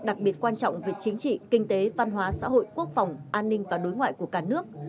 đặc biệt quan trọng về chính trị kinh tế văn hóa xã hội quốc phòng an ninh và đối ngoại của cả nước